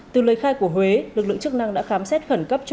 từ lời khai của huế lực lượng chức năng đã khám xét khẩn cấp chỗ